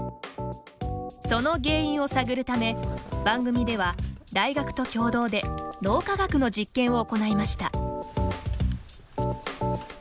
その原因を探るため番組では、大学と共同で脳科学の実験を行いました。